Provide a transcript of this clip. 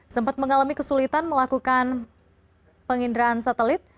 sempat mengalami kesulitan melakukan penginderaan satelit